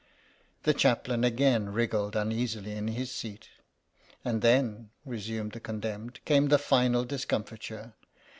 The Chaplain again wriggled uneasily in his seat. "And then," resumed the con demned, "came the final discomfiture.